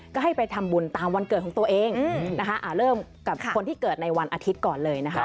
ก็ให้ไปทำบุญตามวันเกิดของตัวเองนะคะเริ่มกับคนที่เกิดในวันอาทิตย์ก่อนเลยนะคะ